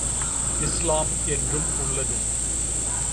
இஸ்லாம் என்றும் உள்ளது.